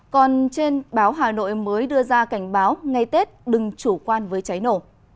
còn trên báo hà nội mới đưa ra cảnh báo ngày tết đừng chủ quan với cháy nổ